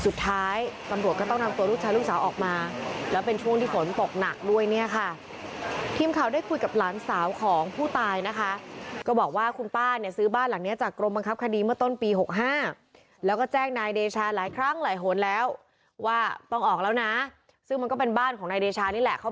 สุดท้ายตำรวจก็ต้องนำตัวลูกชายลูกสาวออกมาแล้วเป็นช่วงที่ฝนตกหนักด้วยเนี่ยค่ะทีมข่าวได้คุยกับหลานสาวของผู้ตายนะคะก็บอกว่าคุณป้าเนี่ยซื้อบ้านหลังเนี้ยจากกรมบังคับคดีเมื่อต้นปี๖๕แล้วก็แจ้งนายเดชาหลายครั้งหลายหนแล้วว่าต้องออกแล้วนะซึ่งมันก็เป็นบ้านของนายเดชานี่แหละเขา